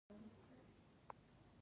په ټولنه کښي نېکي مشورې ورکوئ!